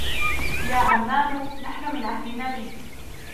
يا عمان نحنُ من عهدِ النبي